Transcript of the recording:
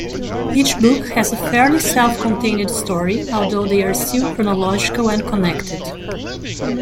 Each book has a fairly self-contained story, although they are still chronological and connected.